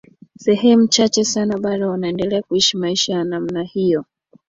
sehemu chache sana bado wanaendelea kuishi maisha ya namna hiyo